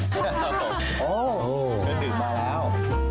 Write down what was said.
เฮียมาแล้ว